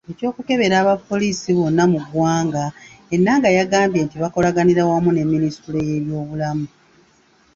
Ku ky’okukebera abapoliisi bonna mu ggwanga, Enanga yagambye nti bakolaganira wamu ne Minisitule y’ebyobulamu.